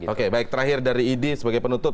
oke baik terakhir dari idi sebagai penutup